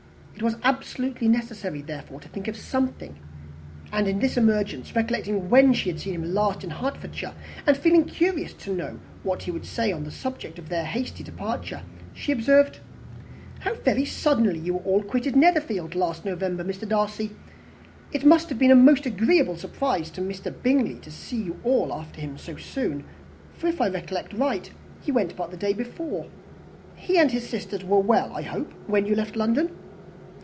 It was absolutely necessary, therefore, to think of something; and in this emergency recollecting when she had seen him last in Hertfordshire, and feeling curious to know what he would say on the subject of their hasty departure, she observed, "How very suddenly you all quitted Netherfield last November, Mr. Darcy! It must have been a most agreeable surprise to Mr. Bingley to see you all after him so soon; for, if I recollect right, he went but the day before. He and his sisters were well, I hope, when you left London?"